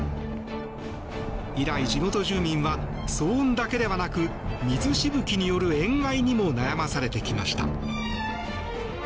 以来、地元住民は騒音だけでなく水しぶきによる塩害被害にも悩まされてきました。